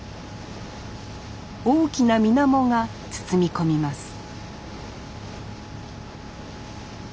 大きな水面が包み込みます